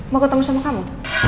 mau ketemu sama kamu